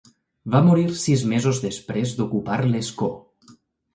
Va morir sis mesos després d'ocupar l'escó.